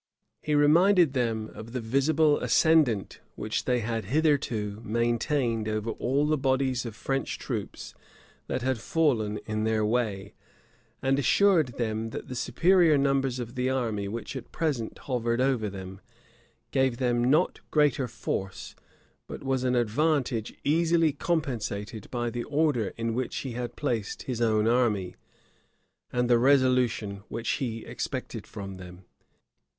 He reminded them of the visible ascendant which they had hitherto maintained over all the bodies of French troops that had fallen in their way; and assured them, that the superior numbers of the army which at present hovered over them, gave them not greater force, but was an advantage easily compensated by the order in which he had placed his own army, and the resolution which he expected from them.